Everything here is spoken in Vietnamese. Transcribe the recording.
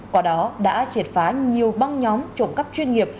qua đó đã triệt phá nhiều băng nhóm trộm cắp chuyên nghiệp